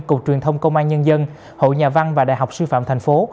cục truyền thông công an nhân dân hội nhà văn và đại học sư phạm thành phố